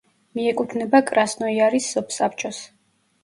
მიეკუთვნება კრასნოიარის სოფსაბჭოს.